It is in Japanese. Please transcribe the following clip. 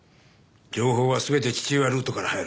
情報は全て父親ルートから入る。